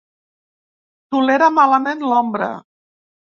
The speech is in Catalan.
Tolera malament l'ombra.